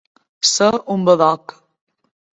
Ser un badoc.